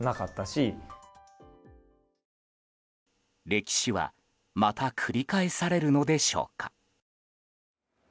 歴史は、また繰り返されるのでしょうか。